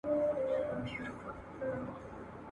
له قرنونو له پېړیو لا لهانده سرګردان دی !.